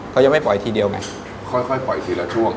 เขายังไม่ปล่อยทีเดียวไงค่อยปล่อยทีละช่วง